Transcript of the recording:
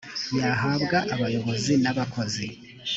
yahabwa abayobozi n abakozi